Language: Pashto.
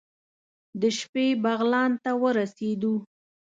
د شپې بغلان ته ورسېدو.